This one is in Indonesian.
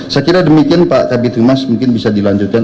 saya kira demikian pak kabir timas mungkin bisa dilanjutkan